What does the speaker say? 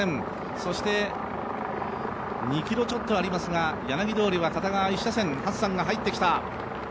そして２ｋｍちょっとありますが柳通りは片側１車線、ハッサンが入ってきた。